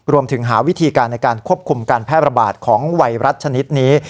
รวมถึงหาวิธีการในการควบคุมการแพร่ระบาดของไวรัสชนิดนี้